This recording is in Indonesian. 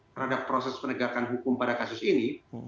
terhadap proses penegakan hukum pada kasus ini